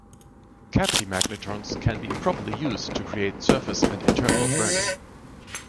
Cavity magnetrons can be improperly used to create surface and internal burning.